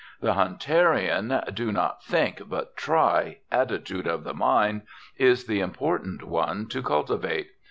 The Hunterian "Do not think, but try" attitude of mind is the important one to cultivate.